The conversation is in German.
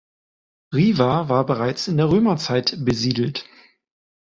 Riva war bereits in der Römerzeit besiedelt.